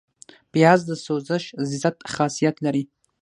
پیاز د سوزش ضد خاصیت لري